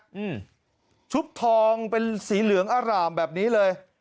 อืมชุบทองเป็นสีเหลืองอร่ามแบบนี้เลย